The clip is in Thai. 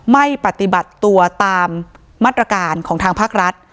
ไม่ปฏิบัติตัวตามมาตรการของทางภาครัฐ